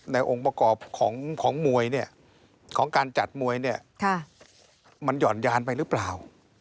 องค์ประกอบของมวยเนี่ยของการจัดมวยเนี่ยมันหย่อนยานไปหรือเปล่า